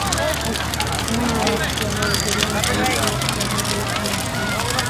mwa watu wanaohudhuria makanisa yote yanayojulikana sana